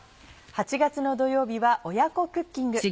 ８月の土曜日は親子クッキング。